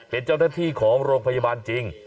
เป็นเจ้าหน้าที่ของโรงพยาบาลจริง